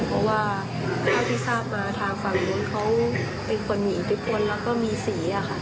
เพราะว่าถ้าพิทราบมาทางฝั่งโดนเขาเป็นคนหญิงทุกคนแล้วก็มีสีอ่ะค่ะ